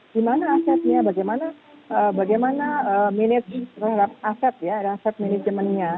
gimana asetnya bagaimana bagaimana menit terhadap aset ya aset manajemennya